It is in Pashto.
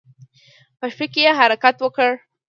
په شپه کې يې حرکت وکړ.